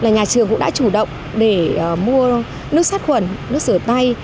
nhà trường cũng đã chủ động để mua nước sát khuẩn nước sửa tay